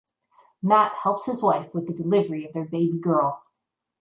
Matt helps his wife with the delivery of their baby girl.